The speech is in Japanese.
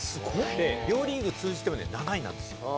両リーグ通じても７位なんですよ。